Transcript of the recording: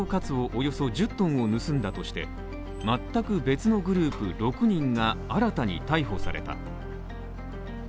およそ１０ｔを盗んだとして、全く別のグループ６人が新たに逮捕された。